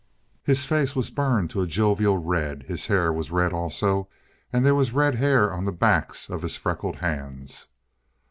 His face was burned to a jovial red; his hair was red also, and there was red hair on the backs of his freckled hands.